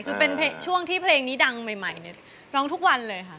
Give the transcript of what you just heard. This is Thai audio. คือเป็นช่วงที่เพลงนี้ดังใหม่เนี่ยร้องทุกวันเลยค่ะ